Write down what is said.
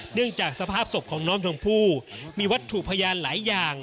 เนื่องจากสภาพศพของน้องชมพู่มีวัตถุพยานหลายอย่าง